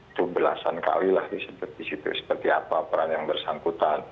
itu belasan kalilah sih seperti apa peran yang bersangkutan